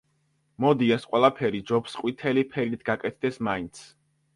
მოდი, ეს ყველაფერი ჯობს ყვითელი ფერით გაკეთდეს მაინც.